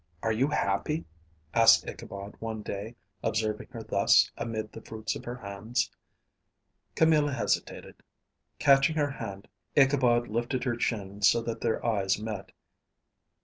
"Are you happy?" asked Ichabod, one day, observing her thus amid the fruits of her hands. Camilla hesitated. Catching her hand, Ichabod lifted her chin so that their eyes met.